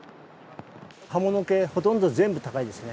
葉物系、ほとんど全部高いですね。